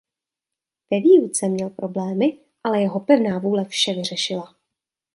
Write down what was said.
Ve výuce měl problémy ale jeho pevná vůle vše vyřešila.